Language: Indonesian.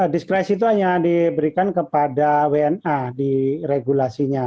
diskresi itu hanya diberikan kepada wna di regulasinya